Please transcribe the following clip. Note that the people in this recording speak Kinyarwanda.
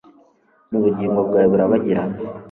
Nubugingo bwawe burabagirana